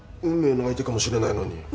運命の相手かもしれないのに。